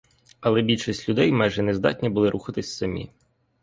Але більшість людей майже нездатні були рухатись самі.